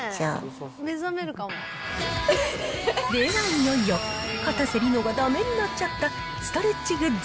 では、いよいよ、かたせ梨乃がだめになっちゃったストレッチグッズ